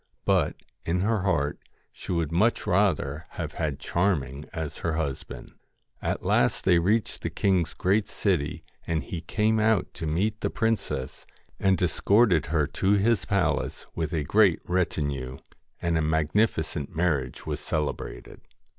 But, in her heart, she would much rather have had Charming as her husband. At last they reached the king's great city, and he came out to meet the princess, and escorted her to his palace with a great retinue, and a magnifi cent marriage was celebrated.